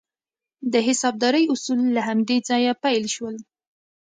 د حسابدارۍ اصول له همدې ځایه پیل شول.